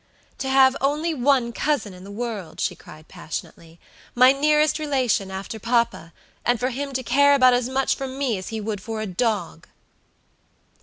"To have only one cousin in the world," she cried, passionately, "my nearest relation after papa, and for him to care about as much for me as he would for a dog!"